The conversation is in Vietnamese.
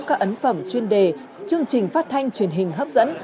các ấn phẩm chuyên đề chương trình phát thanh truyền hình hấp dẫn